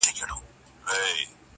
• په څارل یې غلیمان په سمه غر کي -